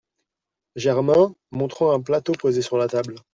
Germain , montrant un plateau posé sur la table.